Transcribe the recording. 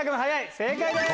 正解です！